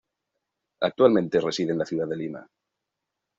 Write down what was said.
Actualmente reside en la ciudad de Lima.